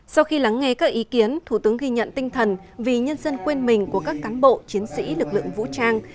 sau khi lắng nghe các ý kiến thủ tướng ghi nhận tinh thần vì nhân dân quên mình của các cán bộ chiến sĩ lực lượng vũ trang